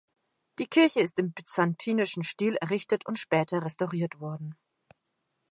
Die Kirche ist im byzantinischen Stil errichtet und später restauriert worden.